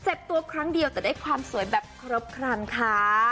เจ็บตัวครั้งเดียวแต่ได้ความสวยแบบครบครันค่ะ